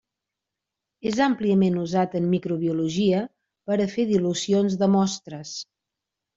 És àmpliament usat en microbiologia per a fer dilucions de mostres.